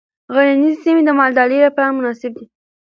غرنیزې سیمې د مالدارۍ لپاره مناسبې دي.